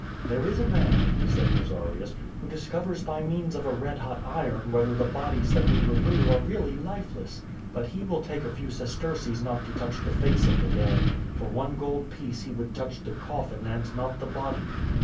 "There is a man," said Nazarius, "who discovers by means of a red hot iron whether the bodies that we remove are really lifeless. But he will take a few sesterces not to touch the face of the dead. For one gold piece he would touch the coffin and not the body."